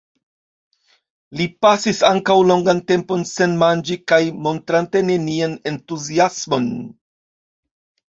Li pasis ankaŭ longan tempon sen manĝi kaj montrante nenian entuziasmon.